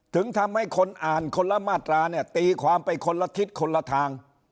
ถึงทำให้คนอ่านคนละมาตราเนี่ยตีความไปคนละทิศคนละทาง